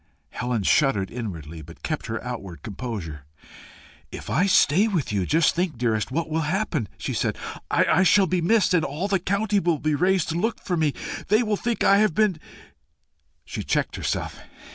Helen shuddered inwardly, but kept her outward composure. "If I stay with you, just think, dearest, what will happen," she said. "I shall be missed, and all the country will be raised to look for me. They will think I have been " She checked herself.